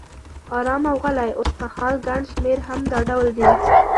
آرام او غلی، اوسمهال ګڼ شمېر هم دا ډول دي.